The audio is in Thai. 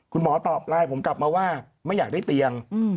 คุณหมอตอบไลน์ผมกลับมาว่าไม่อยากได้เตียง